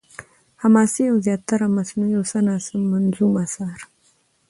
حماسې او زياتره منثور او څه نا څه منظوم اثار